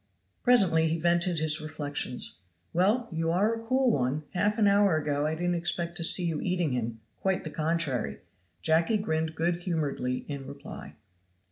Presently he vented his reflections. "Well you are a cool one! half an hour ago I didn't expect to see you eating him quite the contrary." Jacky grinned good humoredly in reply.